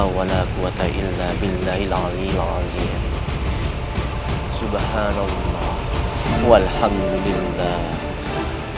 welah ilaha ilallah